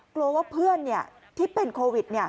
กลัวว่าเพื่อนที่เป็นโควิด